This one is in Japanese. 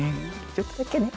ちょっとだけね。